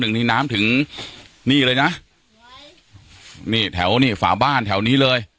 หนึ่งนี่น้ำถึงนี่เลยนะนี่แถวนี่ฝาบ้านแถวนี้เลย